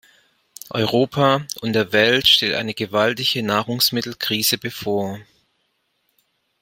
Europa und der Welt steht eine gewaltige Nahrungsmittelkrise bevor.